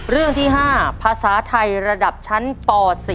เรื่องที่๕ภาษาไทยระดับชั้นป๔